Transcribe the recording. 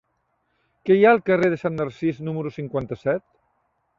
Què hi ha al carrer de Sant Narcís número cinquanta-set?